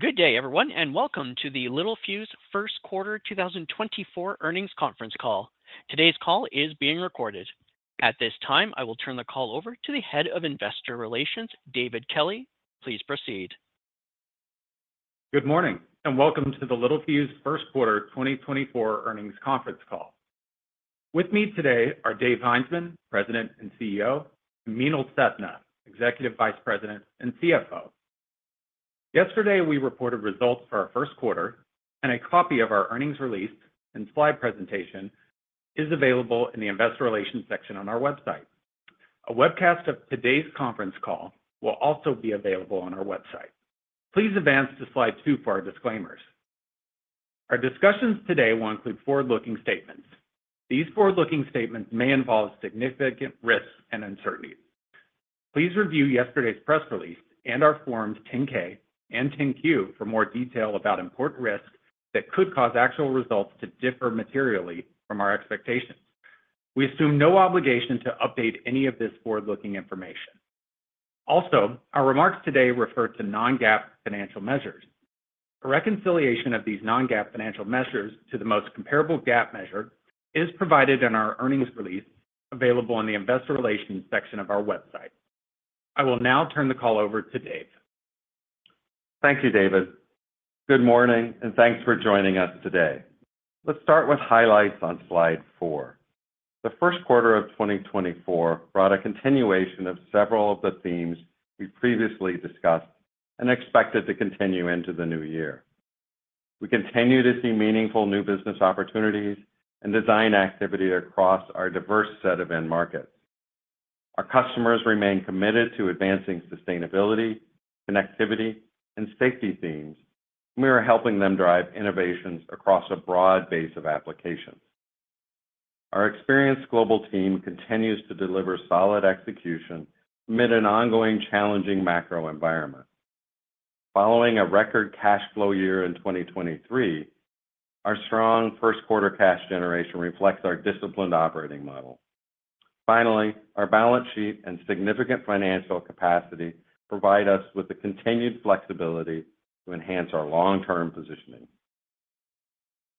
Good day, everyone, and welcome to the Littelfuse First Quarter 2024 Earnings Conference Call. Today's call is being recorded. At this time, I will turn the call over to the Head of Investor Relations, David Kelly. Please proceed. Good morning, and welcome to the Littelfuse First Quarter 2024 Earnings Conference Call. With me today are Dave Heinzmann, President and CEO, and Meenal Sethna, Executive Vice President and CFO. Yesterday, we reported results for our first quarter, and a copy of our earnings release and slide presentation is available in the Investor Relations section on our website. A webcast of today's conference call will also be available on our website. Please advance to slide two for our disclaimers. Our discussions today will include forward-looking statements. These forward-looking statements may involve significant risks and uncertainties. Please review yesterday's press release and our Forms 10-K and 10-Q for more detail about important risks that could cause actual results to differ materially from our expectations. We assume no obligation to update any of this forward-looking information. Also, our remarks today refer to non-GAAP financial measures. A reconciliation of these non-GAAP financial measures to the most comparable GAAP measure is provided in our earnings release, available on the Investor Relations section of our website. I will now turn the call over to Dave. Thank you, David. Good morning, and thanks for joining us today. Let's start with highlights on slide four. The first quarter of 2024 brought a continuation of several of the themes we previously discussed and expected to continue into the new year. We continue to see meaningful new business opportunities and design activity across our diverse set of end markets. Our customers remain committed to advancing sustainability, connectivity, and safety themes, and we are helping them drive innovations across a broad base of applications. Our experienced global team continues to deliver solid execution amid an ongoing challenging macro environment. Following a record cash flow year in 2023, our strong first quarter cash generation reflects our disciplined operating model. Finally, our balance sheet and significant financial capacity provide us with the continued flexibility to enhance our long-term positioning.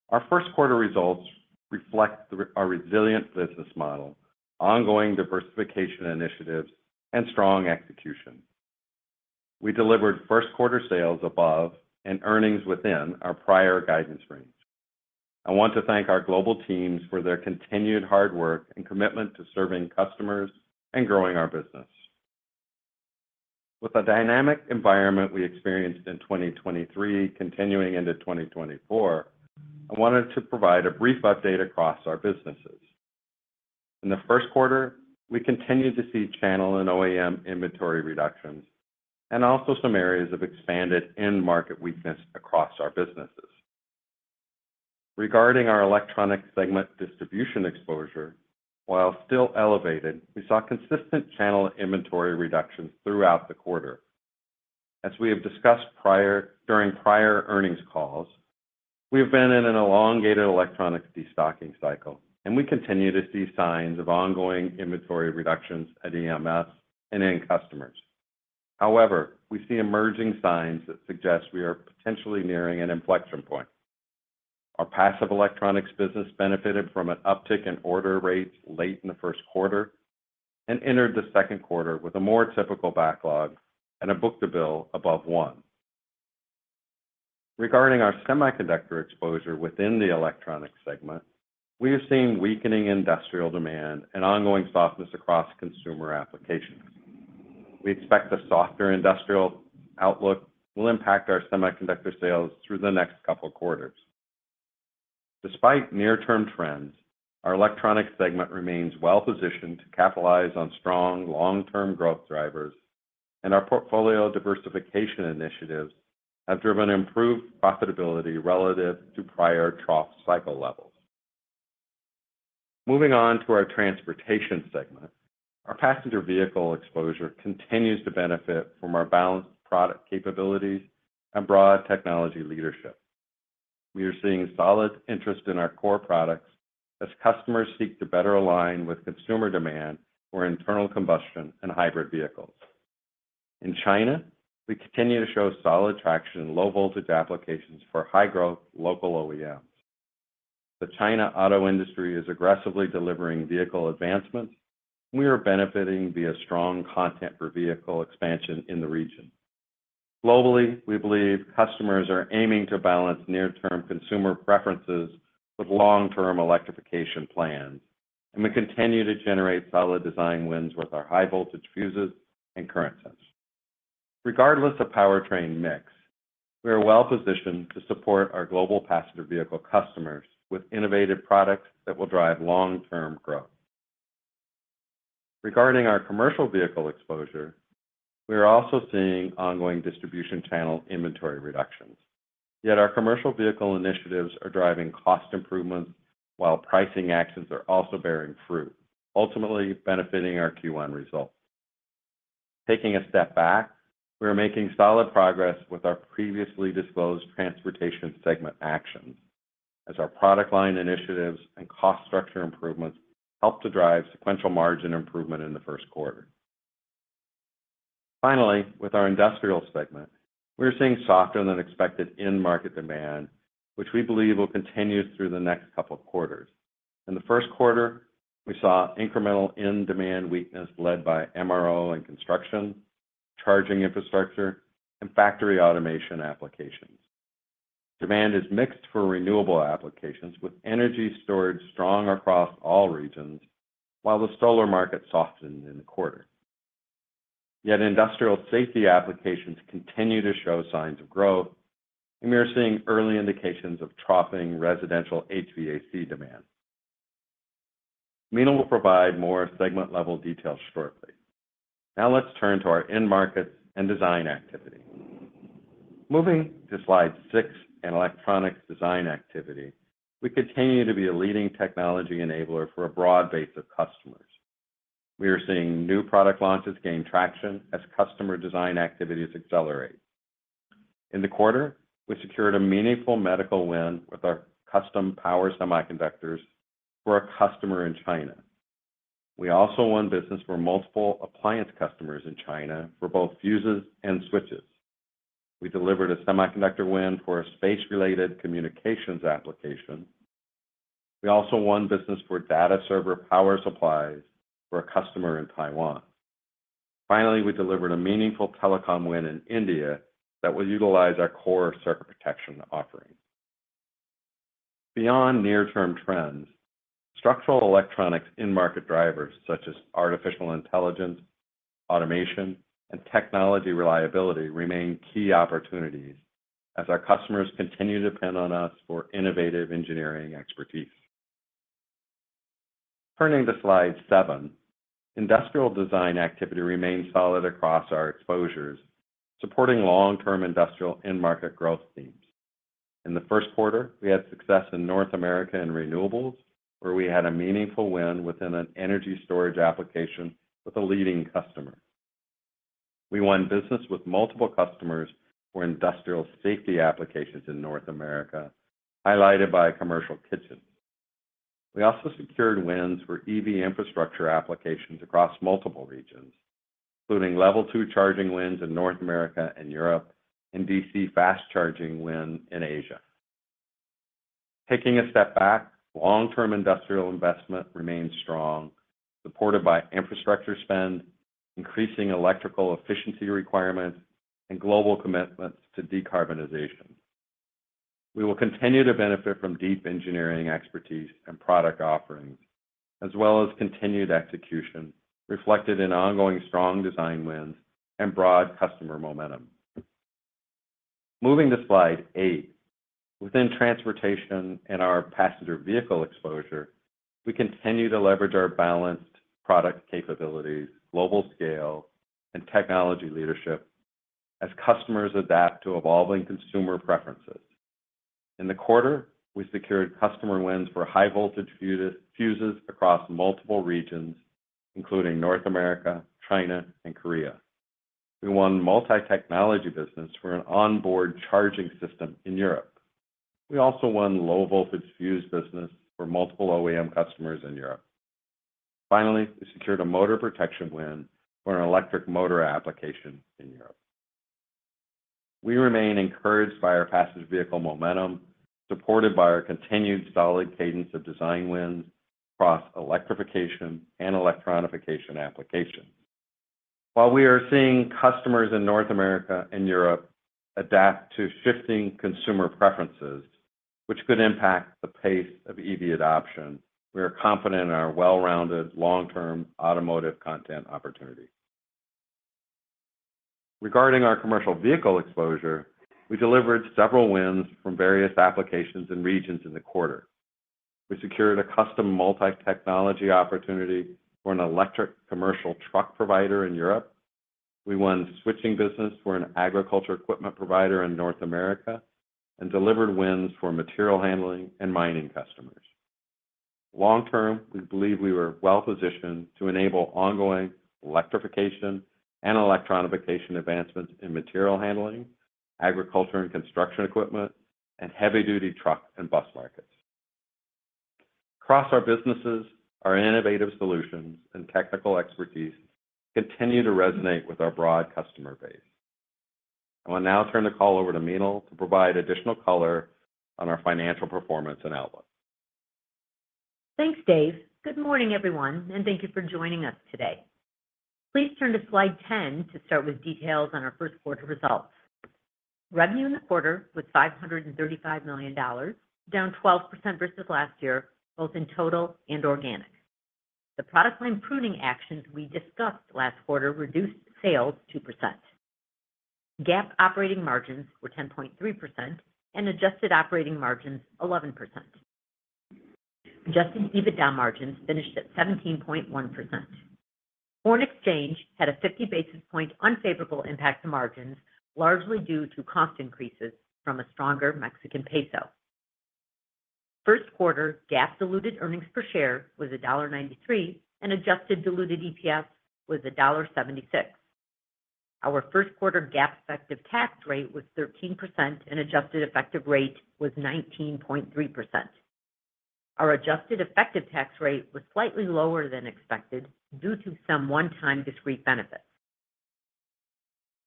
Our first quarter results reflect our resilient business model, ongoing diversification initiatives, and strong execution. We delivered first quarter sales above and earnings within our prior guidance range. I want to thank our global teams for their continued hard work and commitment to serving customers and growing our business. With the dynamic environment we experienced in 2023 continuing into 2024, I wanted to provide a brief update across our businesses. In the first quarter, we continued to see channel and OEM inventory reductions, and also some areas of expanded end market weakness across our businesses. Regarding our electronic segment distribution exposure, while still elevated, we saw consistent channel inventory reductions throughout the quarter. As we have discussed in prior earnings calls, we have been in an elongated electronic destocking cycle, and we continue to see signs of ongoing inventory reductions at EMS and end customers. However, we see emerging signs that suggest we are potentially nearing an inflection point. Our Passive Electronics business benefited from an uptick in order rates late in the first quarter and entered the second quarter with a more typical backlog and a Book-to-Bill above one. Regarding our Semiconductor exposure within the Electronics segment, we are seeing weakening industrial demand and ongoing softness across consumer applications. We expect the softer industrial outlook will impact our Semiconductor sales through the next couple of quarters. Despite near-term trends, our Electronics segment remains well positioned to capitalize on strong long-term growth drivers, and our portfolio diversification initiatives have driven improved profitability relative to prior trough cycle levels. Moving on to our Transportation segment, our passenger vehicle exposure continues to benefit from our balanced product capabilities and broad technology leadership. We are seeing solid interest in our core products as customers seek to better align with consumer demand for internal combustion and hybrid vehicles. In China, we continue to show solid traction in low-voltage applications for high-growth local OEMs. The China auto industry is aggressively delivering vehicle advancements, and we are benefiting via strong content per vehicle expansion in the region. Globally, we believe customers are aiming to balance near-term consumer preferences with long-term electrification plans, and we continue to generate solid design wins with our high voltage fuses and current sensors. Regardless of powertrain mix, we are well positioned to support our global passenger vehicle customers with innovative products that will drive long-term growth. Regarding our commercial vehicle exposure, we are also seeing ongoing distribution channel inventory reductions. Yet our commercial vehicle initiatives are driving cost improvements, while pricing actions are also bearing fruit, ultimately benefiting our Q1 results. Taking a step back, we are making solid progress with our previously disclosed transportation segment actions, as our product line initiatives and cost structure improvements helped to drive sequential margin improvement in the first quarter. Finally, with our industrial segment, we're seeing softer than expected end market demand, which we believe will continue through the next couple of quarters. In the first quarter, we saw incremental end demand weakness led by MRO and construction, charging infrastructure, and factory automation applications. Demand is mixed for renewable applications, with energy storage strong across all regions, while the solar market softened in the quarter. Yet industrial safety applications continue to show signs of growth, and we are seeing early indications of troughing residential HVAC demand. Meenal will provide more segment-level details shortly. Now let's turn to our end markets and design activity. Moving to slide six, and electronics design activity, we continue to be a leading technology enabler for a broad base of customers. We are seeing new product launches gain traction as customer design activities accelerate. In the quarter, we secured a meaningful medical win with our custom power semiconductors for a customer in China. We also won business for multiple appliance customers in China for both fuses and switches. We delivered a semiconductor win for a space-related communications application. We also won business for data server power supplies for a customer in Taiwan. Finally, we delivered a meaningful telecom win in India that will utilize our core circuit protection offering. Beyond near-term trends, structural electronics end market drivers such as artificial intelligence, automation, and technology reliability remain key opportunities as our customers continue to depend on us for innovative engineering expertise. Turning to Slide seven, industrial design activity remains solid across our exposures, supporting long-term industrial end market growth themes. In the first quarter, we had success in North America and renewables, where we had a meaningful win within an energy storage application with a leading customer. We won business with multiple customers for industrial safety applications in North America, highlighted by commercial kitchen. We also secured wins for EV infrastructure applications across multiple regions, including Level 2 charging wins in North America and Europe, and DC fast charging win in Asia. Taking a step back, long-term industrial investment remains strong, supported by infrastructure spend, increasing electrical efficiency requirements, and global commitments to decarbonization. We will continue to benefit from deep engineering expertise and product offerings, as well as continued execution, reflected in ongoing strong design wins and broad customer momentum. Moving to Slide eight. Within transportation and our passenger vehicle exposure, we continue to leverage our balanced product capabilities, global scale, and technology leadership as customers adapt to evolving consumer preferences. In the quarter, we secured customer wins for high voltage fuses across multiple regions, including North America, China, and Korea. We won multi-technology business for an onboard charging system in Europe. We also won low-voltage fuse business for multiple OEM customers in Europe. Finally, we secured a motor protection win for an electric motor application in Europe. We remain encouraged by our passenger vehicle momentum, supported by our continued solid cadence of design wins across electrification and electronification applications. While we are seeing customers in North America and Europe adapt to shifting consumer preferences, which could impact the pace of EV adoption, we are confident in our well-rounded, long-term automotive content opportunity. Regarding our commercial vehicle exposure, we delivered several wins from various applications and regions in the quarter. We secured a custom multi-technology opportunity for an electric commercial truck provider in Europe. We won switching business for an agriculture equipment provider in North America, and delivered wins for material handling and mining customers. Long-term, we believe we were well-positioned to enable ongoing electrification and electronification advancements in material handling, agriculture and construction equipment, and heavy-duty truck and bus markets. Across our businesses, our innovative solutions and technical expertise continue to resonate with our broad customer base. I will now turn the call over to Meenal to provide additional color on our financial performance and outlook. Thanks, Dave. Good morning, everyone, and thank you for joining us today. Please turn to slide 10 to start with details on our first quarter results. Revenue in the quarter was $535 million, down 12% versus last year, both in total and organic. The product line pruning actions we discussed last quarter reduced sales 2%. GAAP operating margins were 10.3% and adjusted operating margins 11%. Adjusted EBITDA margins finished at 17.1%. Foreign exchange had a 50 basis point unfavorable impact to margins, largely due to cost increases from a stronger Mexican peso. First quarter GAAP diluted earnings per share was $1.93, and adjusted diluted EPS was $1.76. Our first quarter GAAP effective tax rate was 13%, and adjusted effective rate was 19.3%. Our adjusted effective tax rate was slightly lower than expected due to some one-time discrete benefits.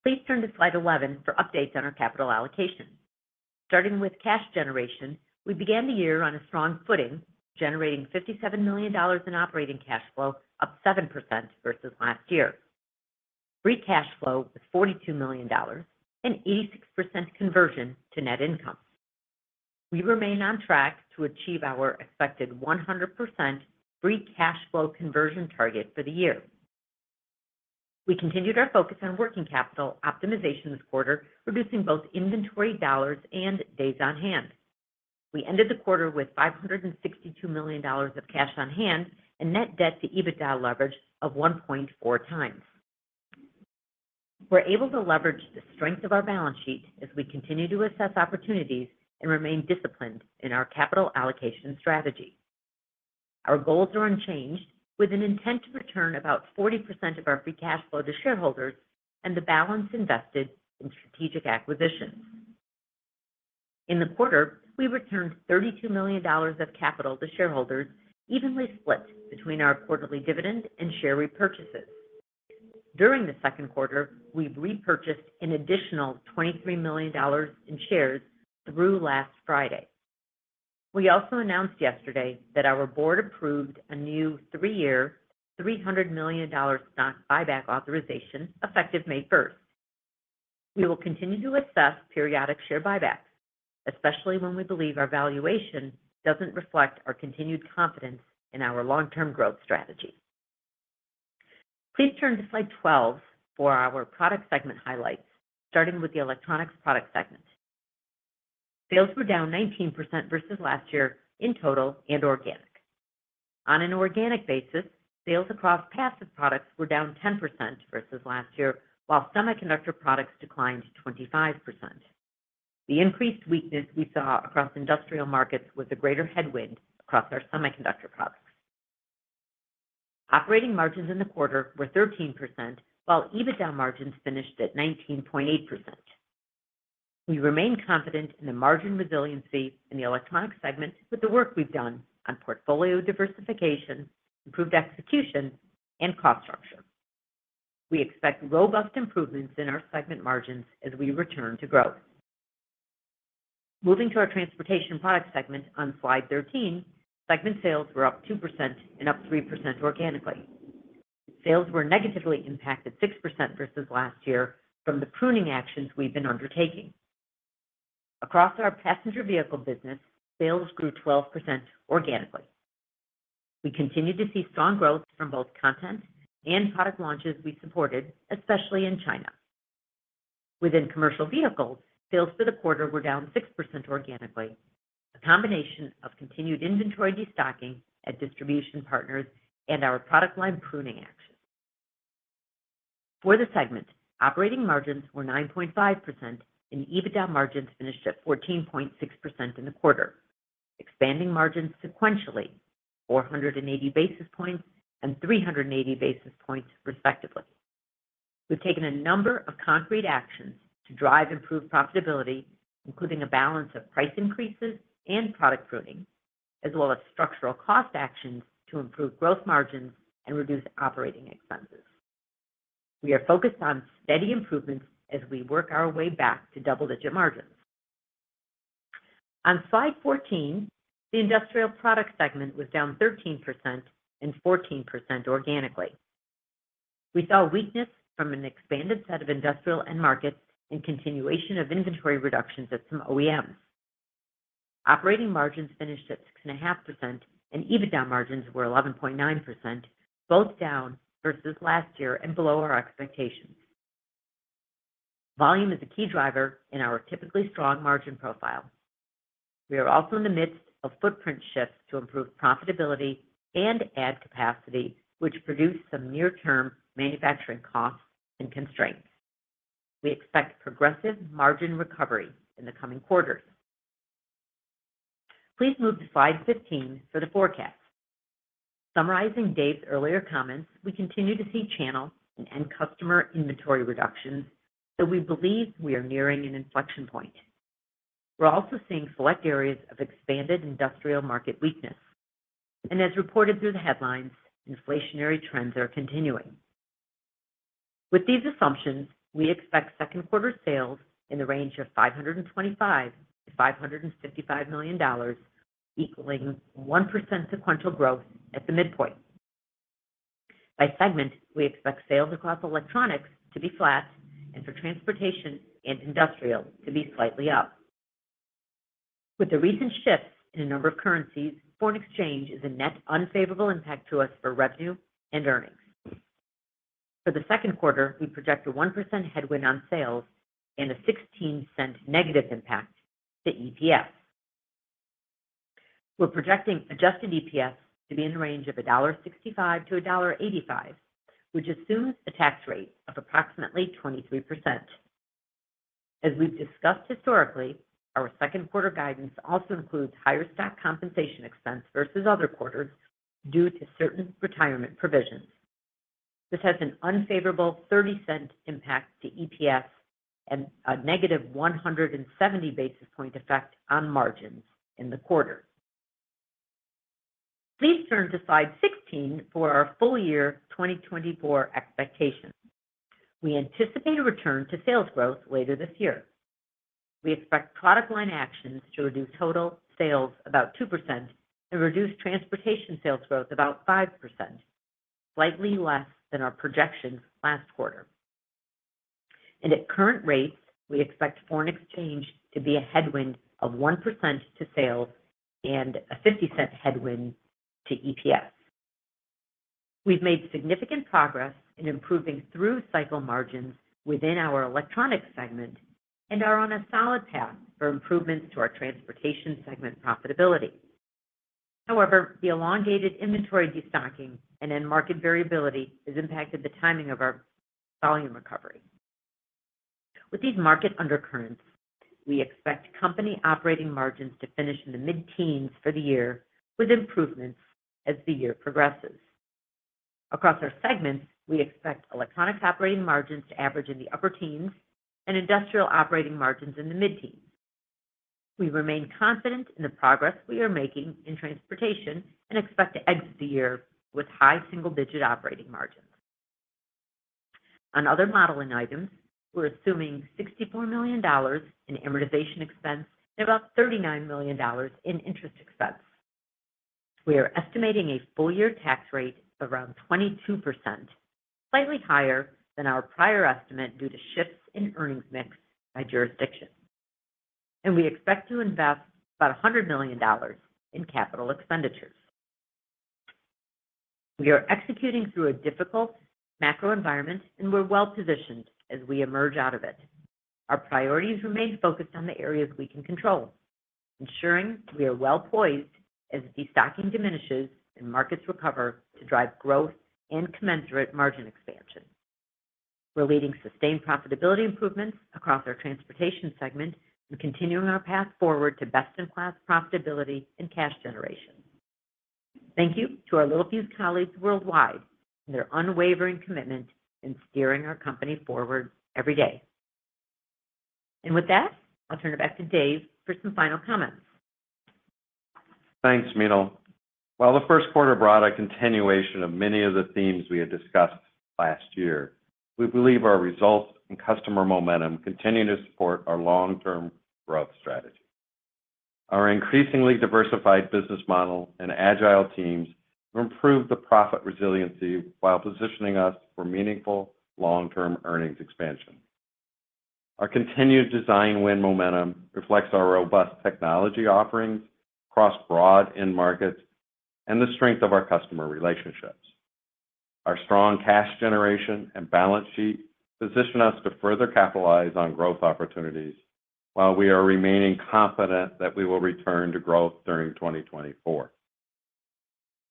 Please turn to slide 11 for updates on our capital allocation. Starting with cash generation, we began the year on a strong footing, generating $57 million in operating cash flow, up 7% versus last year. Free cash flow was $42 million, an 86% conversion to net income. We remain on track to achieve our expected 100% free cash flow conversion target for the year. We continued our focus on working capital optimization this quarter, reducing both inventory dollars and days on hand. We ended the quarter with $562 million of cash on hand and net debt to EBITDA leverage of 1.4 times. We're able to leverage the strength of our balance sheet as we continue to assess opportunities and remain disciplined in our capital allocation strategy. Our goals are unchanged, with an intent to return about 40% of our free cash flow to shareholders and the balance invested in strategic acquisitions. In the quarter, we returned $32 million of capital to shareholders, evenly split between our quarterly dividend and share repurchases. During the second quarter, we've repurchased an additional $23 million in shares through last Friday. We also announced yesterday that our board approved a new three-year, $300 million stock buyback authorization, effective May first. We will continue to assess periodic share buybacks, especially when we believe our valuation doesn't reflect our continued confidence in our long-term growth strategy. Please turn to slide 12 for our product segment highlights, starting with the Electronics product segment. Sales were down 19% versus last year in total and organic. On an organic basis, sales across passive products were down 10% versus last year, while semiconductor products declined 25%. The increased weakness we saw across industrial markets was a greater headwind across our semiconductor products. Operating margins in the quarter were 13%, while EBITDA margins finished at 19.8%. We remain confident in the margin resiliency in the Electronics segment with the work we've done on portfolio diversification, improved execution, and cost structure. We expect robust improvements in our segment margins as we return to growth. Moving to our Transportation product segment on slide 13, segment sales were up 2% and up 3% organically. Sales were negatively impacted 6% versus last year from the pruning actions we've been undertaking. Across our passenger vehicle business, sales grew 12% organically. We continued to see strong growth from both content and product launches we supported, especially in China. Within commercial vehicles, sales for the quarter were down 6% organically, a combination of continued inventory destocking at distribution partners and our product line pruning actions. For the segment, operating margins were 9.5%, and EBITDA margins finished at 14.6% in the quarter, expanding margins sequentially, 480 basis points and 380 basis points, respectively. We've taken a number of concrete actions to drive improved profitability, including a balance of price increases and product pruning, as well as structural cost actions to improve gross margins and reduce operating expenses. We are focused on steady improvements as we work our way back to double-digit margins. On slide 14, the Industrial product segment was down 13% and 14% organically. We saw weakness from an expanded set of industrial end markets and continuation of inventory reductions at some OEMs. Operating margins finished at 6.5%, and EBITDA margins were 11.9%, both down versus last year and below our expectations. Volume is a key driver in our typically strong margin profile. We are also in the midst of footprint shifts to improve profitability and add capacity, which produce some near-term manufacturing costs and constraints. We expect progressive margin recovery in the coming quarters. Please move to slide 15 for the forecast. Summarizing Dave's earlier comments, we continue to see channel and end customer inventory reductions, so we believe we are nearing an inflection point. We're also seeing select areas of expanded industrial market weakness, and as reported through the headlines, inflationary trends are continuing. With these assumptions, we expect second quarter sales in the range of $525 million-$555 million, equaling 1% sequential growth at the midpoint. By segment, we expect sales across Electronics to be flat and for Transportation and Industrial to be slightly up. With the recent shifts in a number of currencies, foreign exchange is a net unfavorable impact to us for revenue and earnings. For the second quarter, we project a 1% headwind on sales and a $0.16 negative impact to EPS. We're projecting adjusted EPS to be in the range of $1.65-$1.85, which assumes a tax rate of approximately 23%. As we've discussed historically, our second quarter guidance also includes higher stock compensation expense versus other quarters due to certain retirement provisions. This has an unfavorable $0.30 impact to EPS and a negative 170 basis point effect on margins in the quarter. Please turn to slide 16 for our full-year 2024 expectations. We anticipate a return to sales growth later this year. We expect product line actions to reduce total sales about 2% and reduce transportation sales growth about 5%, slightly less than our projections last quarter. At current rates, we expect foreign exchange to be a headwind of 1% to sales and a $0.50 headwind to EPS. We've made significant progress in improving through cycle margins within our electronics segment and are on a solid path for improvements to our transportation segment profitability. However, the elongated inventory destocking and end market variability has impacted the timing of our volume recovery. With these market undercurrents, we expect company operating margins to finish in the mid-teens for the year, with improvements as the year progresses. Across our segments, we expect electronics operating margins to average in the upper teens and industrial operating margins in the mid-teens. We remain confident in the progress we are making in transportation and expect to exit the year with high single-digit operating margins. On other modeling items, we're assuming $64 million in amortization expense and about $39 million in interest expense. We are estimating a full-year tax rate of around 22%, slightly higher than our prior estimate due to shifts in earnings mix by jurisdiction, and we expect to invest about $100 million in capital expenditures. We are executing through a difficult macro environment, and we're well positioned as we emerge out of it. Our priorities remain focused on the areas we can control, ensuring we are well poised as destocking diminishes and markets recover to drive growth and commensurate margin expansion. We're leading sustained profitability improvements across our transportation segment and continuing our path forward to best-in-class profitability and cash generation. Thank you to our Littelfuse colleagues worldwide and their unwavering commitment in steering our company forward every day. And with that, I'll turn it back to Dave for some final comments. Thanks, Meenal. While the first quarter brought a continuation of many of the themes we had discussed last year, we believe our results and customer momentum continue to support our long-term growth strategy. Our increasingly diversified business model and agile teams have improved the profit resiliency while positioning us for meaningful long-term earnings expansion. Our continued design win momentum reflects our robust technology offerings across broad end markets and the strength of our customer relationships. Our strong cash generation and balance sheet position us to further capitalize on growth opportunities, while we are remaining confident that we will return to growth during 2024.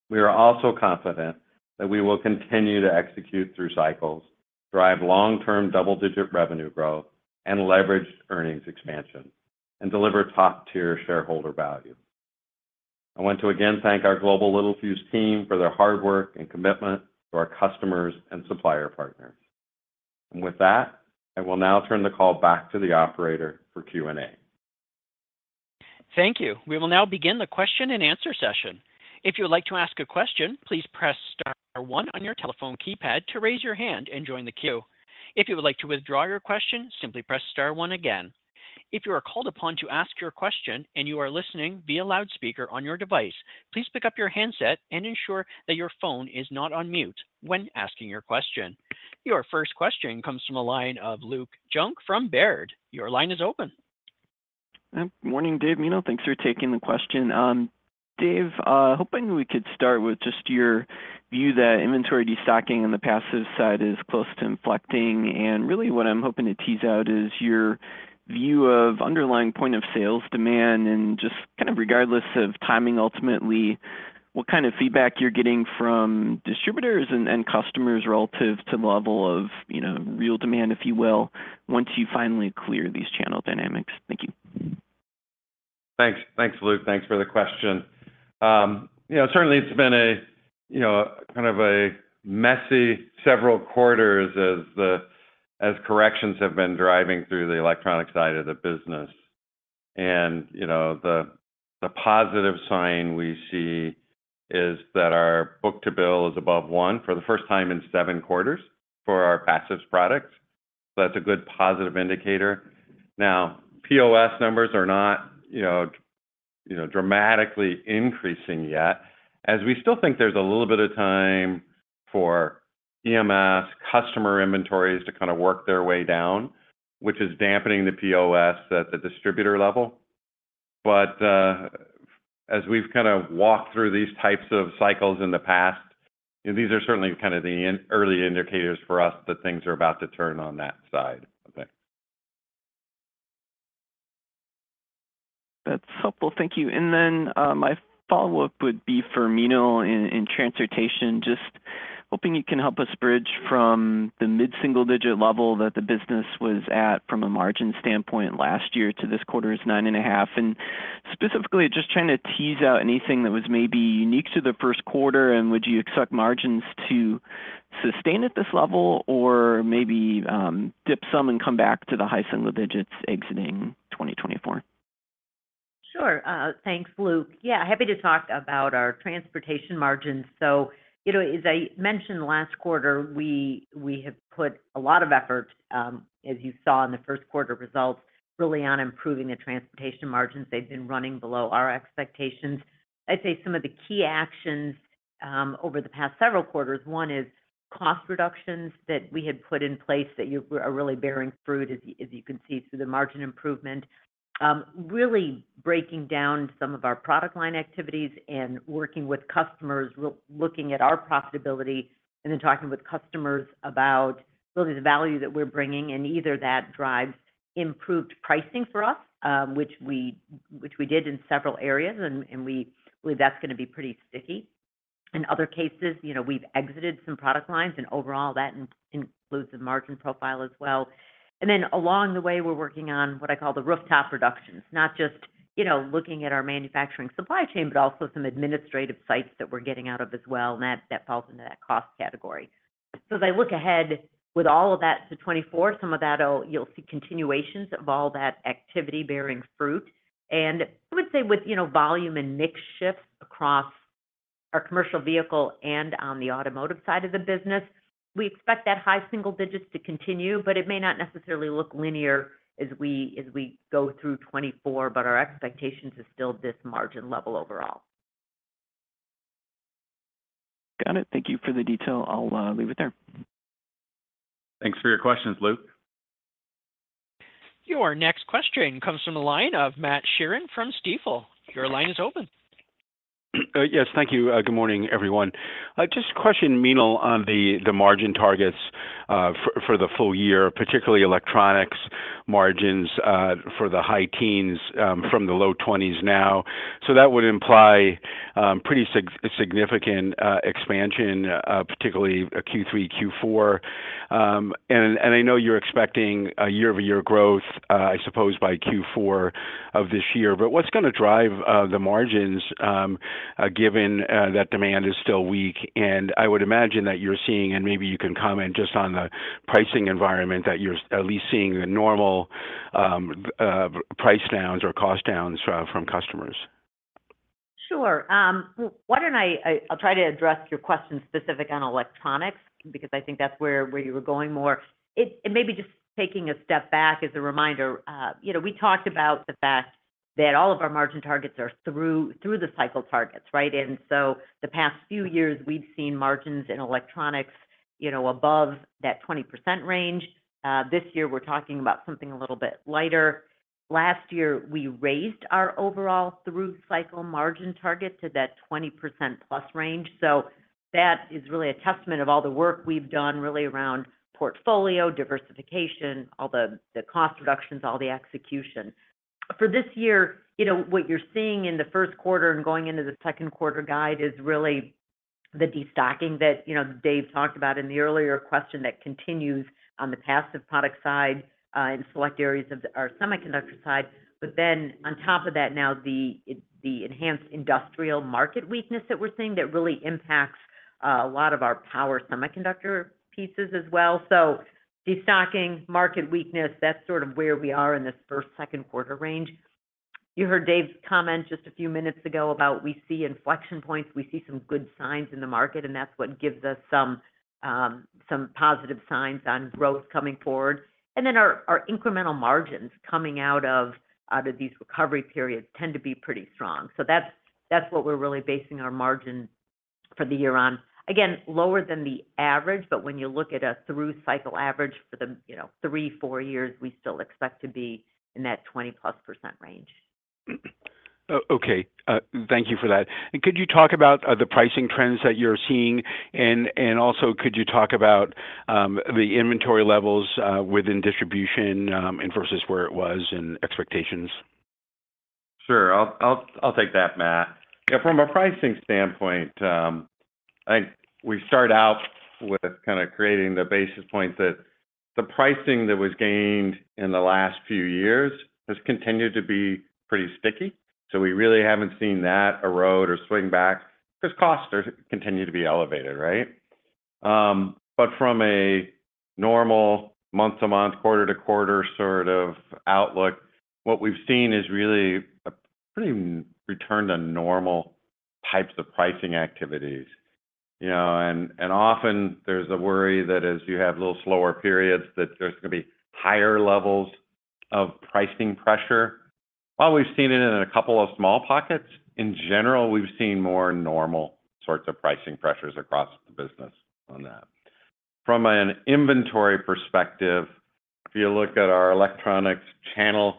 We are also confident that we will continue to execute through cycles, drive long-term double-digit revenue growth, and leverage earnings expansion, and deliver top-tier shareholder value. I want to again thank our global Littelfuse team for their hard work and commitment to our customers and supplier partners. With that, I will now turn the call back to the operator for Q&A. Thank you. We will now begin the question-and-answer session. If you would like to ask a question, please press star one on your telephone keypad to raise your hand and join the queue. If you would like to withdraw your question, simply press star one again. If you are called upon to ask your question and you are listening via loudspeaker on your device, please pick up your handset and ensure that your phone is not on mute when asking your question. Your first question comes from the line of Luke Junk from Baird. Your line is open. Morning, Dave, Meenal. Thanks for taking the question. Dave, hoping we could start with just your view that inventory destocking on the passive side is close to inflecting, and really what I'm hoping to tease out is your view of underlying point of sales demand and just kind of regardless of timing, ultimately, what kind of feedback you're getting from distributors and, and customers relative to the level of, you know, real demand, if you will, once you finally clear these channel dynamics. Thank you. Thanks. Thanks, Luke. Thanks for the question. You know, certainly it's been a, you know, kind of a messy several quarters as corrections have been driving through the electronic side of the business. And you know, the, the positive sign we see is that our book-to-bill is above one for the first time in seven quarters for our passives products. So that's a good positive indicator. Now, POS numbers are not, you know, you know, dramatically increasing yet, as we still think there's a little bit of time for EMS customer inventories to kind of work their way down, which is dampening the POS at the distributor level. But, as we've kind of walked through these types of cycles in the past, and these are certainly kind of the early indicators for us that things are about to turn on that side. Okay.... That's helpful. Thank you. And then, my follow-up would be for Meenal in transportation. Just hoping you can help us bridge from the mid-single-digit level that the business was at from a margin standpoint last year to this quarter's 9.5. And specifically, just trying to tease out anything that was maybe unique to the first quarter, and would you expect margins to sustain at this level or maybe dip some and come back to the high single digits exiting 2024? Sure. Thanks, Luke. Yeah, happy to talk about our transportation margins. So, you know, as I mentioned last quarter, we have put a lot of effort, as you saw in the first quarter results, really on improving the transportation margins. They've been running below our expectations. I'd say some of the key actions over the past several quarters, one is cost reductions that we had put in place that are really bearing fruit, as you can see through the margin improvement. Really breaking down some of our product line activities and working with customers, looking at our profitability, and then talking with customers about really the value that we're bringing, and either that drives improved pricing for us, which we did in several areas, and we believe that's gonna be pretty sticky. In other cases, you know, we've exited some product lines, and overall, that includes the margin profile as well. And then along the way, we're working on what I call the rooftop reductions. Not just, you know, looking at our manufacturing supply chain, but also some administrative sites that we're getting out of as well, and that falls into that cost category. So as I look ahead with all of that to 2024, some of that you'll see continuations of all that activity bearing fruit. And I would say with, you know, volume and mix shifts across our commercial vehicle and on the automotive side of the business, we expect that high single digits to continue, but it may not necessarily look linear as we go through 2024, but our expectations is still this margin level overall. Got it. Thank you for the detail. I'll leave it there. Thanks for your questions, Luke. Your next question comes from the line of Matt Sheerin from Stifel. Your line is open. Yes, thank you. Good morning, everyone. Just a question, Meenal, on the margin targets for the full-year, particularly electronics margins, for the high teens from the low twenties now. So that would imply pretty significant expansion, particularly Q3, Q4. And I know you're expecting a year-over-year growth, I suppose, by Q4 of this year. But what's gonna drive the margins, given that demand is still weak? And I would imagine that you're seeing, and maybe you can comment just on the pricing environment, that you're at least seeing the normal price downs or cost downs from customers. Sure. Why don't I—I'll try to address your question specific on electronics, because I think that's where, where you were going more. And maybe just taking a step back as a reminder, you know, we talked about the fact that all of our margin targets are through the cycle targets, right? And so the past few years, we've seen margins in electronics, you know, above that 20% range. This year, we're talking about something a little bit lighter. Last year, we raised our overall through cycle margin target to that 20%+ range. So that is really a testament of all the work we've done really around portfolio, diversification, all the cost reductions, all the execution. For this year, you know, what you're seeing in the first quarter and going into the second quarter guide is really the destocking that, you know, Dave talked about in the earlier question that continues on the passive product side in select areas of our semiconductor side. But then on top of that, now the enhanced industrial market weakness that we're seeing, that really impacts a lot of our power semiconductor pieces as well. So destocking, market weakness, that's sort of where we are in this first, second quarter range. You heard Dave's comment just a few minutes ago about we see inflection points, we see some good signs in the market, and that's what gives us some positive signs on growth coming forward. And then our incremental margins coming out of these recovery periods tend to be pretty strong. So that's what we're really basing our margin for the year on. Again, lower than the average, but when you look at a through-cycle average for the, you know, three to four years, we still expect to be in that 20+% range. Okay, thank you for that. And could you talk about the pricing trends that you're seeing? And also, could you talk about the inventory levels within distribution and versus where it was and expectations? Sure. I'll take that, Matt. Yeah, from a pricing standpoint, we start out with kind of creating the basis point that the pricing that was gained in the last few years has continued to be pretty sticky, so we really haven't seen that erode or swing back because costs continue to be elevated, right? But from a normal month-to-month, quarter-to-quarter sort of outlook, what we've seen is really a pretty return to normal types of pricing activities. You know, and often there's a worry that as you have little slower periods, that there's gonna be higher levels of pricing pressure. While we've seen it in a couple of small pockets, in general, we've seen more normal sorts of pricing pressures across the business on that. From an inventory perspective, if you look at our electronics channel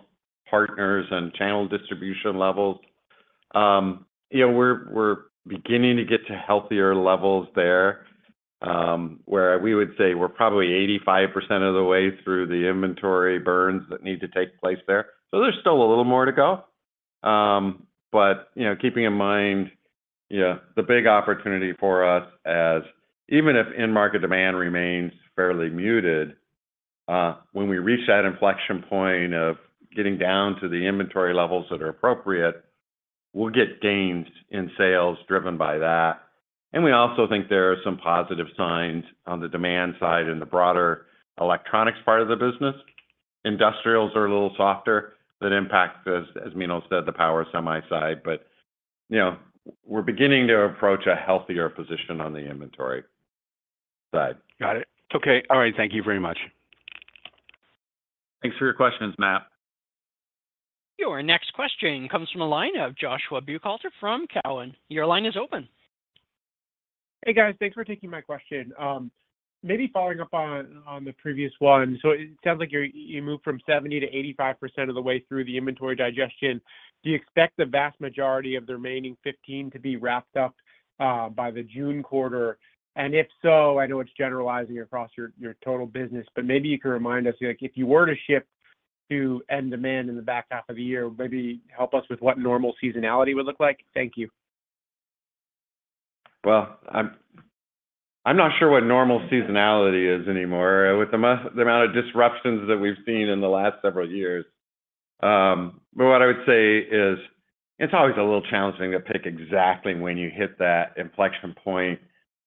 partners and channel distribution levels,... You know, we're beginning to get to healthier levels there, where we would say we're probably 85% of the way through the inventory burns that need to take place there. So there's still a little more to go. But, you know, keeping in mind, yeah, the big opportunity for us as even if end market demand remains fairly muted, when we reach that inflection point of getting down to the inventory levels that are appropriate, we'll get gains in sales driven by that. And we also think there are some positive signs on the demand side and the broader electronics part of the business. Industrials are a little softer. That impacts, as Meenal said, the power semi side, but, you know, we're beginning to approach a healthier position on the inventory side. Got it. Okay. All right. Thank you very much. Thanks for your questions, Matt. Your next question comes from the line of Joshua Buchalter from Cowen. Your line is open. Hey, guys. Thanks for taking my question. Maybe following up on, on the previous one, so it sounds like you're-- you moved from 70%-85% of the way through the inventory digestion. Do you expect the vast majority of the remaining 15% to be wrapped up by the June quarter? And if so, I know it's generalizing across your, your total business, but maybe you can remind us, like, if you were to ship to end demand in the back half of the year, maybe help us with what normal seasonality would look like. Thank you. Well, I'm not sure what normal seasonality is anymore with the amount of disruptions that we've seen in the last several years. But what I would say is, it's always a little challenging to pick exactly when you hit that inflection point,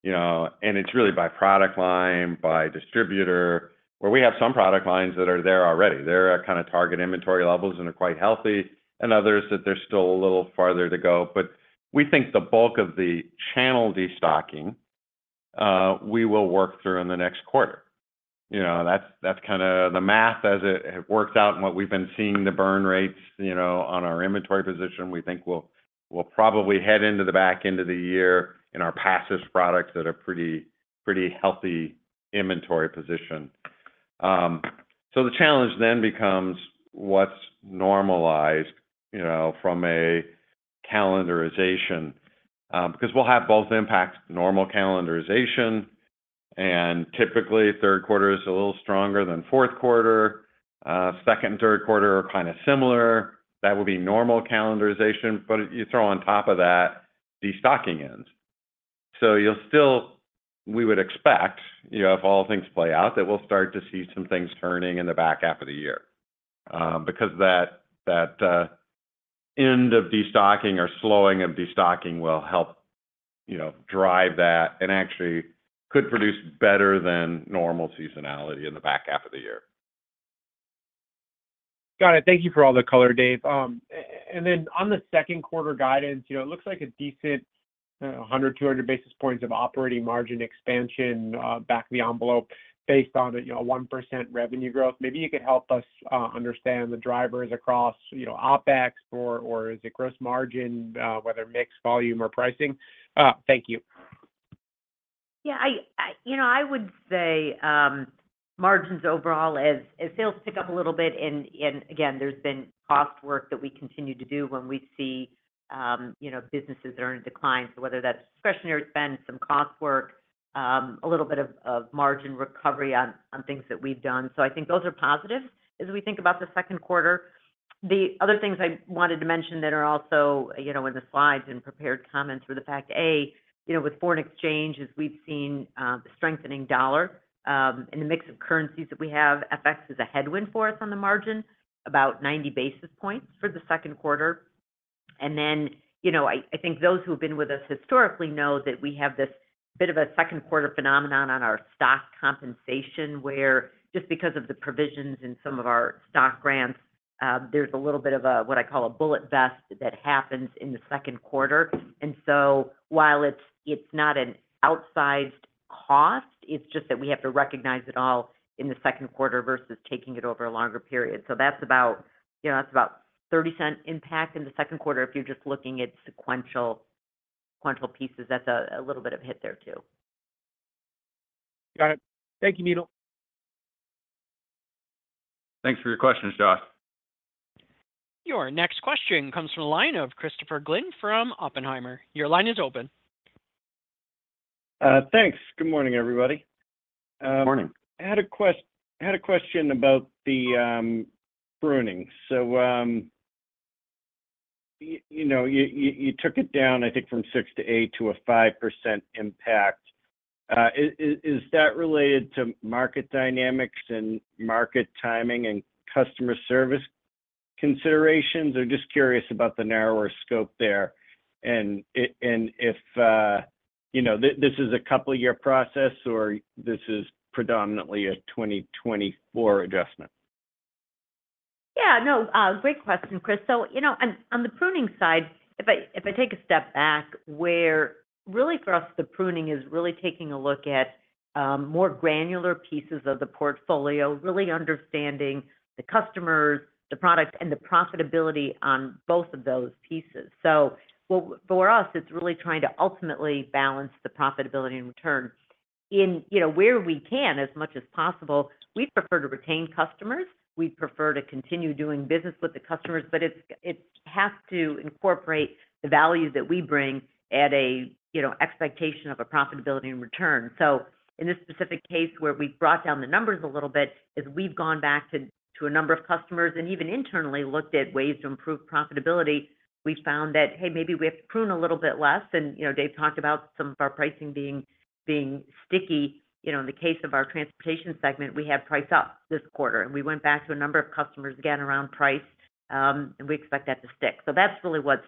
you know, and it's really by product line, by distributor, where we have some product lines that are there already. They're at kind of target inventory levels and are quite healthy, and others that they're still a little farther to go. But we think the bulk of the channel destocking, we will work through in the next quarter. You know, that's kind of the math as it works out and what we've been seeing the burn rates, you know, on our inventory position. We think we'll probably head into the back end of the year in our passive products that are pretty healthy inventory position. So the challenge then becomes what's normalized, you know, from a calendarization, because we'll have both impact normal calendarization, and typically, third quarter is a little stronger than fourth quarter. Second and third quarter are kind of similar. That would be normal calendarization, but you throw on top of that, destocking ends. So you'll still... we would expect, you know, if all things play out, that we'll start to see some things turning in the back half of the year, because that end of destocking or slowing of destocking will help, you know, drive that and actually could produce better than normal seasonality in the back half of the year. Got it. Thank you for all the color, Dave. And then on the second quarter guidance, you know, it looks like a decent 100-200 basis points of operating margin expansion, back of the envelope based on a, you know, 1% revenue growth. Maybe you could help us understand the drivers across, you know, OpEx or, or is it gross margin, whether mix, volume, or pricing. Thank you. Yeah, you know, I would say, margins overall as sales pick up a little bit, and again, there's been cost work that we continue to do when we see, you know, businesses that are in decline. So whether that's discretionary spend, some cost work, a little bit of margin recovery on things that we've done. So I think those are positive as we think about the second quarter. The other things I wanted to mention that are also, you know, in the slides and prepared comments were the fact, A, you know, with foreign exchange, as we've seen, strengthening dollar, in the mix of currencies that we have, FX is a headwind for us on the margin, about 90 basis points for the second quarter. You know, I think those who have been with us historically know that we have this bit of a second quarter phenomenon on our stock compensation, where just because of the provisions in some of our stock grants, there's a little bit of a, what I call a bullet vest that happens in the second quarter. So while it's not an outsized cost, it's just that we have to recognize it all in the second quarter versus taking it over a longer period. That's about, you know, that's about $0.30 impact in the second quarter. If you're just looking at sequential, sequential pieces, that's a little bit of hit there, too. Got it. Thank you, Meenal. Thanks for your questions, Josh. Your next question comes from a line of Christopher Glynn from Oppenheimer. Your line is open. Thanks. Good morning, everybody. Good morning. I had a question about the pruning. So, you know, you took it down, I think, from 6%-8% to a 5% impact. Is that related to market dynamics and market timing and customer service considerations? Or just curious about the narrower scope there, and if, you know, this is a couple-year process or this is predominantly a 2024 adjustment. Yeah, no, great question, Chris. So, you know, on the pruning side, if I take a step back, we're really for us, the pruning is really taking a look at more granular pieces of the portfolio, really understanding the customers, the product, and the profitability on both of those pieces. So for us, it's really trying to ultimately balance the profitability and return in, you know, where we can, as much as possible, we prefer to retain customers. We prefer to continue doing business with the customers, but it has to incorporate the values that we bring at a, you know, expectation of a profitability and return. So in this specific case, where we've brought down the numbers a little bit, we've gone back to a number of customers, and even internally looked at ways to improve profitability. We found that, hey, maybe we have to prune a little bit less, and, you know, Dave talked about some of our pricing being sticky. You know, in the case of our transportation segment, we have priced up this quarter, and we went back to a number of customers, again, around price, and we expect that to stick. So that's really what's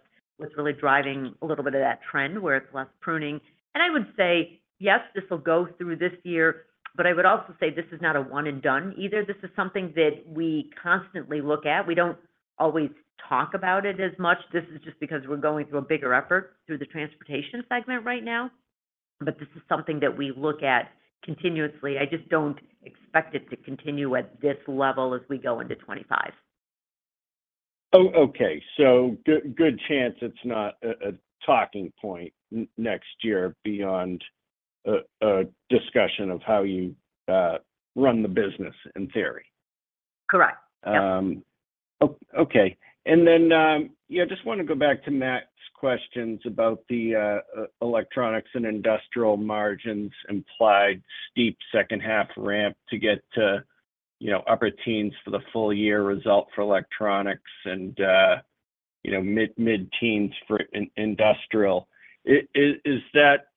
really driving a little bit of that trend, where it's less pruning. And I would say, yes, this will go through this year, but I would also say this is not a one and done either. This is something that we constantly look at. We don't always talk about it as much. This is just because we're going through a bigger effort through the transportation segment right now, but this is something that we look at continuously. I just don't expect it to continue at this level as we go into 2025. Oh, okay. So good, good chance it's not a talking point next year beyond a discussion of how you run the business, in theory? Correct. Yep. Okay. And then, yeah, I just wanna go back to Matt's questions about the electronics and industrial margins implied steep second half ramp to get to, you know, upper teens for the full-year result for electronics and, you know, mid-teens for industrial. Is that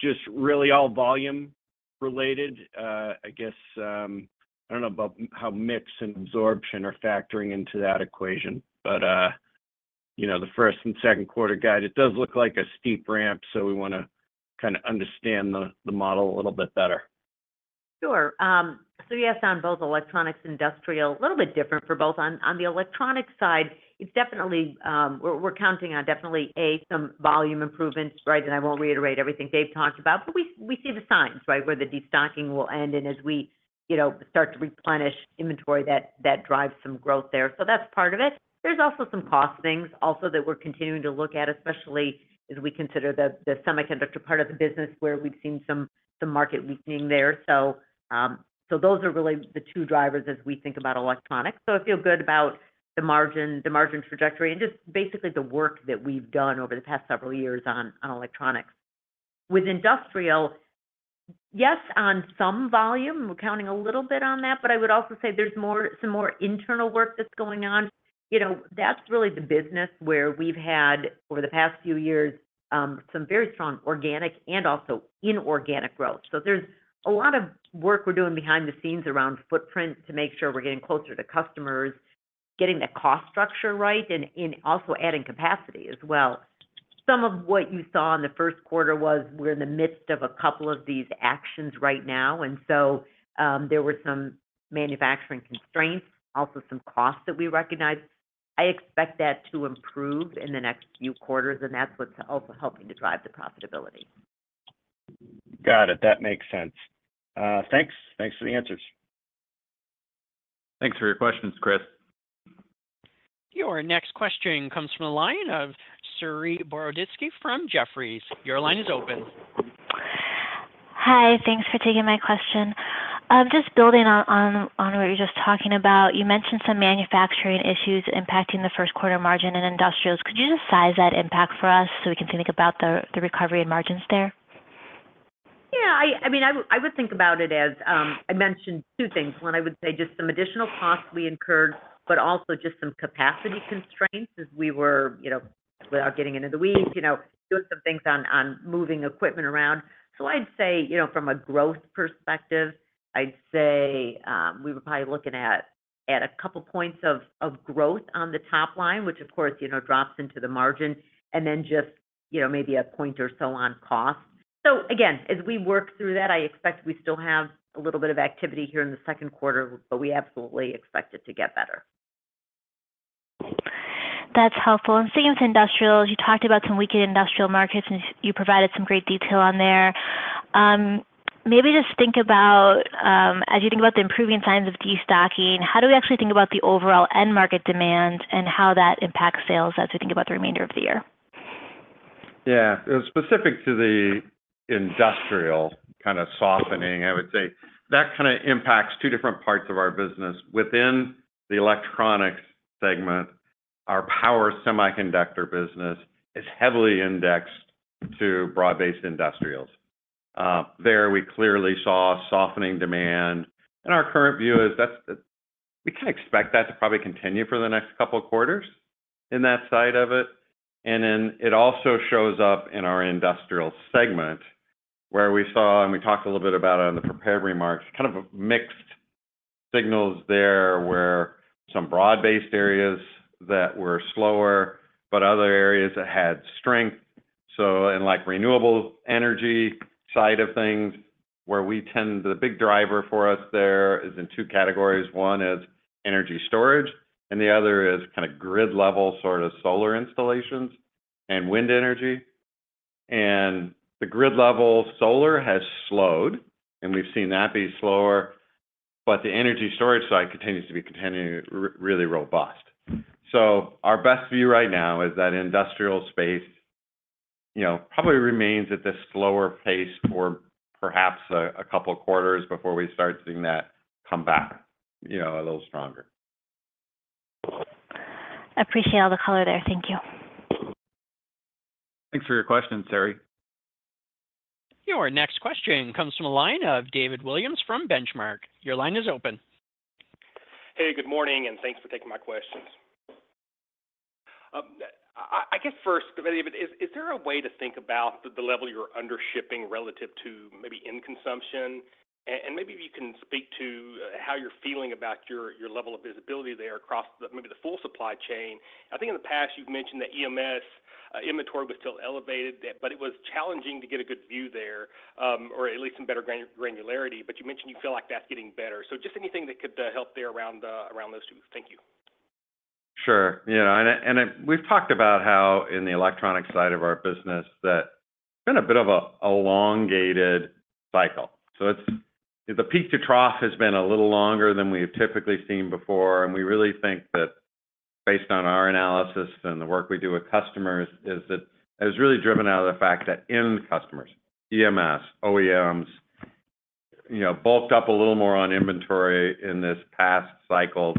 just really all volume related? I guess, I don't know about how mix and absorption are factoring into that equation, but, you know, the first and second quarter guide, it does look like a steep ramp, so we wanna kinda understand the model a little bit better. Sure. So yes, on both electronics, industrial, a little bit different for both. On the electronics side, it's definitely we're counting on definitely a some volume improvements, right? And I won't reiterate everything Dave talked about, but we see the signs, right, where the destocking will end, and as we, you know, start to replenish inventory, that drives some growth there. So that's part of it. There's also some cost things also that we're continuing to look at, especially as we consider the semiconductor part of the business, where we've seen some market weakening there. So those are really the two drivers as we think about electronics. So I feel good about the margin, the margin trajectory, and just basically the work that we've done over the past several years on electronics. With industrial, yes, on some volume, we're counting a little bit on that, but I would also say there's more, some more internal work that's going on. You know, that's really the business where we've had, over the past few years, some very strong organic and also inorganic growth. So there's a lot of work we're doing behind the scenes around footprint to make sure we're getting closer to customers, getting the cost structure right, and also adding capacity as well. Some of what you saw in the first quarter was we're in the midst of a couple of these actions right now, and so there were some manufacturing constraints, also some costs that we recognized. I expect that to improve in the next few quarters, and that's what's also helping to drive the profitability. Got it. That makes sense. Thanks. Thanks for the answers. Thanks for your questions, Chris. Your next question comes from the line of Saree Boroditsky from Jefferies. Your line is open. Hi, thanks for taking my question. Just building on what you're just talking about, you mentioned some manufacturing issues impacting the first quarter margin in industrials. Could you just size that impact for us so we can think about the recovery in margins there? Yeah, I mean, I would think about it as I mentioned two things. One, I would say just some additional costs we incurred, but also just some capacity constraints as we were, you know, without getting into the weeds, you know, doing some things on moving equipment around. So I'd say, you know, from a growth perspective, I'd say we were probably looking at a couple points of growth on the top line, which of course, you know, drops into the margin, and then just, you know, maybe a point or so on cost. So again, as we work through that, I expect we still have a little bit of activity here in the second quarter, but we absolutely expect it to get better. That's helpful. And sticking to industrials, you talked about some weaker industrial markets, and you provided some great detail on there. Maybe just think about, as you think about the improving signs of destocking, how do we actually think about the overall end market demand and how that impacts sales as we think about the remainder of the year? Yeah. Specific to the industrial kind of softening, I would say that kind of impacts two different parts of our business. Within the electronics segment, our power semiconductor business is heavily indexed to broad-based industrials. There, we clearly saw softening demand, and our current view is we can expect that to probably continue for the next couple of quarters in that side of it. And then it also shows up in our industrial segment, where we saw, and we talked a little bit about it on the prepared remarks, kind of mixed signals there, where some broad-based areas that were slower, but other areas that had strength. So in, like, renewable energy side of things, where we tend... The big driver for us there is in two categories. One is energy storage, and the other is kind of grid-level, sort of solar installations and wind energy. The grid-level solar has slowed, and we've seen that be slower, but the energy storage side continues to be continuing really robust. So our best view right now is that industrial space, you know, probably remains at this slower pace for perhaps a couple quarters before we start seeing that come back, you know, a little stronger. Appreciate all the color there. Thank you. Thanks for your question, Saree. Your next question comes from a line of David Williams from Benchmark. Your line is open. Hey, good morning, and thanks for taking my questions. I guess first, David, is there a way to think about the level you're under shipping relative to maybe in consumption? And maybe if you can speak to how you're feeling about your level of visibility there across maybe the full supply chain. I think in the past, you've mentioned that EMS inventory was still elevated, that, but it was challenging to get a good view there, or at least some better granularity. But you mentioned you feel like that's getting better. So just anything that could help there around around those two? Thank you. Sure. Yeah, and we've talked about how in the electronic side of our business, that it's been a bit of a elongated cycle. So it's, the peak to trough has been a little longer than we have typically seen before, and we really think that based on our analysis and the work we do with customers, is that it was really driven out of the fact that end customers, EMS, OEMs, you know, bulked up a little more on inventory in this past cycle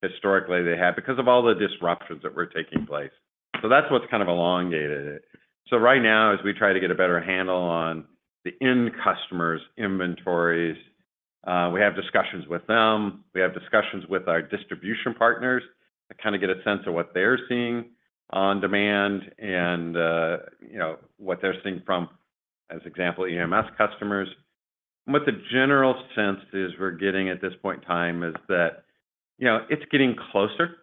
than historically they have because of all the disruptions that were taking place. So that's what's kind of elongated it. So right now, as we try to get a better handle on the end customers' inventories, we have discussions with them, we have discussions with our distribution partners to kinda get a sense of what they're seeing on demand and, you know, what they're seeing from, as example, EMS customers. What the general sense is we're getting at this point in time is that, you know, it's getting closer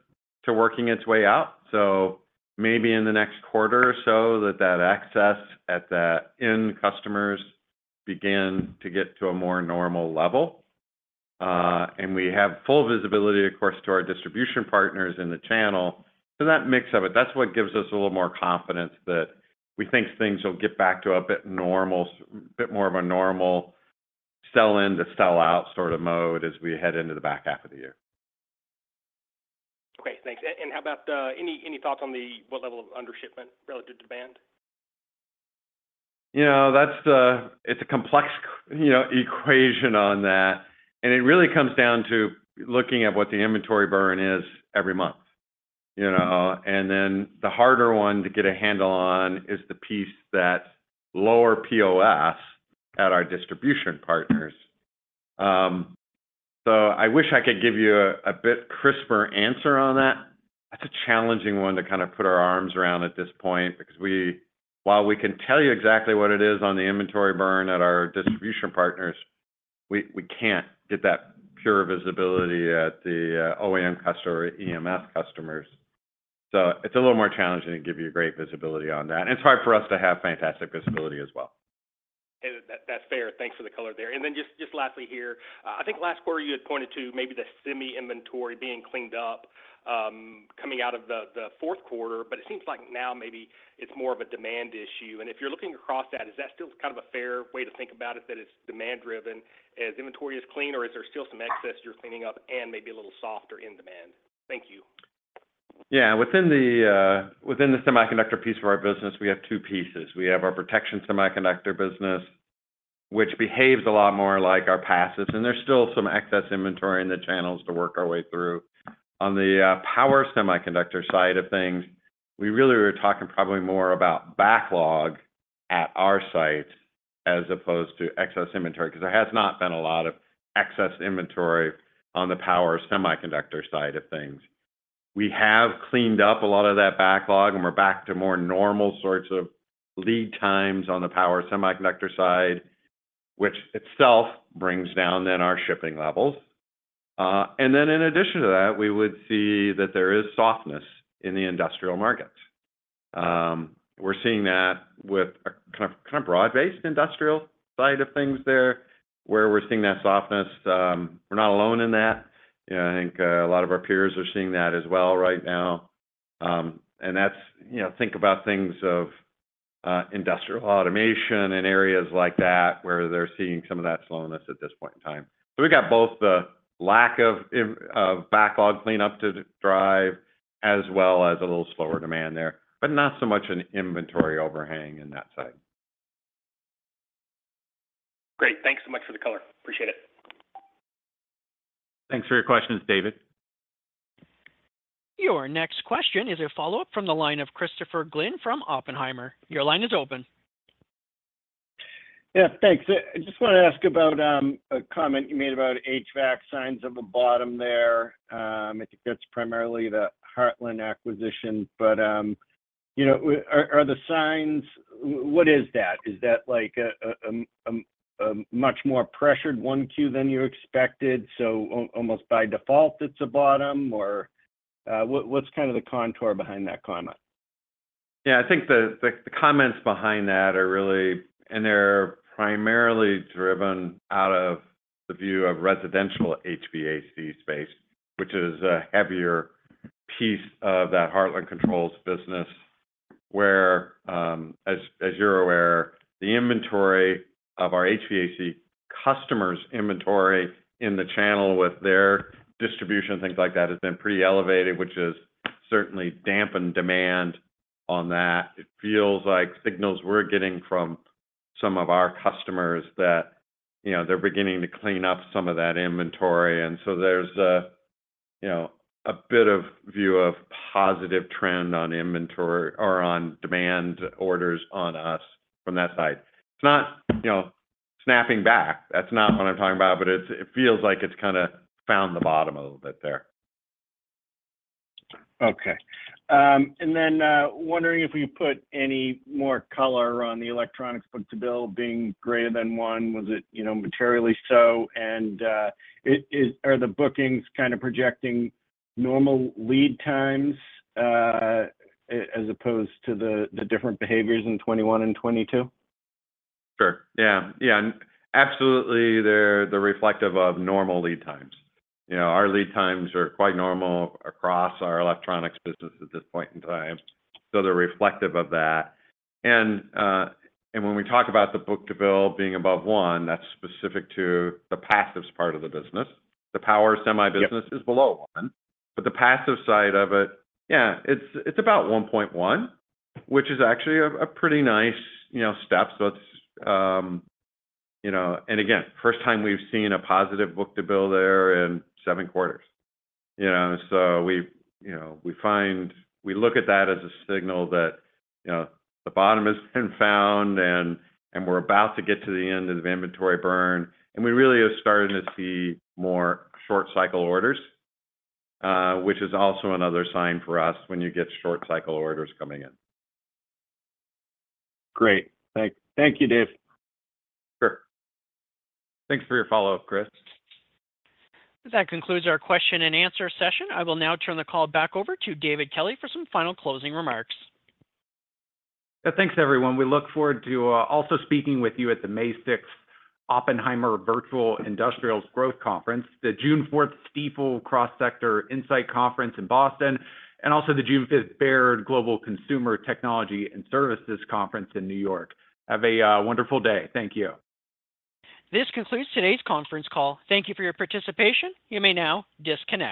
to working its way out, so maybe in the next quarter or so that the excess at the end customers begin to get to a more normal level. And we have full visibility, of course, to our distribution partners in the channel. So that mix of it, that's what gives us a little more confidence that we think things will get back to a bit more of a normal sell-in to sell-out sort of mode as we head into the back half of the year. Okay, thanks. And how about any thoughts on the what level of under shipment relative to demand? You know, that's the, it's a complex, you know, equation on that, and it really comes down to looking at what the inventory burn is every month, you know? And then the harder one to get a handle on is the piece that lower POS at our distribution partners. So I wish I could give you a bit crisper answer on that. That's a challenging one to kind of put our arms around at this point, because we, while we can tell you exactly what it is on the inventory burn at our distribution partners, we can't get that pure visibility at the OEM customer or EMS customers. So it's a little more challenging to give you a great visibility on that, and it's hard for us to have fantastic visibility as well. Hey, that, that's fair. Thanks for the color there. And then just lastly here, I think last quarter you had pointed to maybe the semi inventory being cleaned up coming out of the fourth quarter, but it seems like now maybe it's more of a demand issue. And if you're looking across that, is that still kind of a fair way to think about it, that it's demand-driven as inventory is clean, or is there still some excess you're cleaning up and maybe a little softer in demand? Thank you. Yeah. Within the, within the semiconductor piece of our business, we have two pieces. We have our protection semiconductor business, which behaves a lot more like our passives, and there's still some excess inventory in the channels to work our way through. On the, power semiconductor side of things, we really are talking probably more about backlog at our sites as opposed to excess inventory, 'cause there has not been a lot of excess inventory on the power semiconductor side of things. We have cleaned up a lot of that backlog, and we're back to more normal sorts of lead times on the power semiconductor side, which itself brings down then our shipping levels. And then in addition to that, we would see that there is softness in the industrial markets. We're seeing that with a kind of, kind of broad-based industrial side of things there, where we're seeing that softness. We're not alone in that. You know, I think, a lot of our peers are seeing that as well right now. And that's, you know, think about things of, industrial automation in areas like that, where they're seeing some of that slowness at this point in time. So we've got both the lack of backlog cleanup to drive, as well as a little slower demand there, but not so much an inventory overhang in that side. Great. Thanks so much for the color. Appreciate it. Thanks for your questions, David. Your next question is a follow-up from the line of Christopher Glynn from Oppenheimer. Your line is open. Yeah, thanks. I just wanna ask about a comment you made about HVAC signs of a bottom there. I think that's primarily the Hartland acquisition, but you know, what are the signs? What is that? Is that like a much more pressured Q1 than you expected, so almost by default it's a bottom, or what, what's kind of the context behind that comment? Yeah, I think the comments behind that are really - and they're primarily driven out of the view of residential HVAC space, which is a heavier piece of that Hartland Controls business... where, as you're aware, the inventory of our HVAC customers' inventory in the channel with their distribution, things like that, has been pretty elevated, which has certainly dampened demand on that. It feels like signals we're getting from some of our customers that, you know, they're beginning to clean up some of that inventory, and so there's a, you know, a bit of view of positive trend on inventory or on demand orders on us from that side. It's not, you know, snapping back. That's not what I'm talking about, but it's - it feels like it's kinda found the bottom a little bit there. Okay. And then, wondering if we put any more color on the electronics book-to-bill being greater than one. Was it, you know, materially so? And, are the bookings kind of projecting normal lead times, as opposed to the different behaviors in 2021 and 2022? Sure. Yeah, yeah, and absolutely, they're reflective of normal lead times. You know, our lead times are quite normal across our electronics business at this point in time, so they're reflective of that. And, and when we talk about the Book-to-Bill being above one, that's specific to the passives part of the business. The power semi business- Yep... is below one, but the passive side of it, yeah, it's about 1.1, which is actually a pretty nice, you know, step. So it's, you know... Again, first time we've seen a positive book-to-bill there in seven quarters. You know, so we, you know, we find we look at that as a signal that, you know, the bottom has been found, and we're about to get to the end of inventory burn, and we really are starting to see more short cycle orders, which is also another sign for us when you get short cycle orders coming in. Great. Thank you, Dave. Sure. Thanks for your follow-up, Chris. That concludes our question and answer session. I will now turn the call back over to David Kelly for some final closing remarks. Yeah, thanks, everyone. We look forward to also speaking with you at the May sixth Oppenheimer Virtual Industrials Growth Conference, the June fourth Stifel Cross Sector Insight Conference in Boston, and also the 5th June Baird Global Consumer Technology and Services Conference in New York. Have a wonderful day. Thank you. This concludes today's conference call. Thank you for your participation. You may now disconnect.